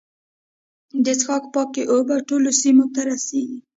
د څښاک پاکې اوبه ټولو سیمو ته رسیږي.